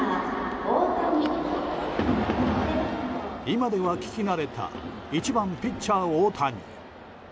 今では聞き慣れた１番ピッチャー大谷。